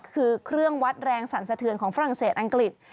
คือเครื่องวัดแรงสรรสะเทือนของฝรั่งเศสอังกฤษ